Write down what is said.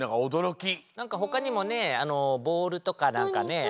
なんかほかにもねボールとかなんかね